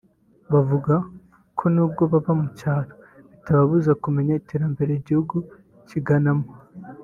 Bavuga ko n’ubwo baba mu cyaro bitababuza kumenya iterambere igihugu kiganamo